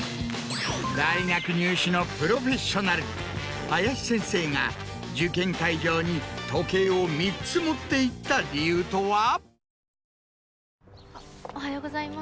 大学入試のプロフェッショナル林先生が受験会場に時計を３つ持っていった理由とは？